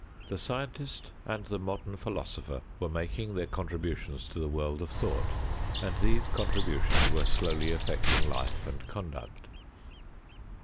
The scientist and the modern philosopher were making their contributions to the world of thought, and these contributions were slowly affecting life and conduct.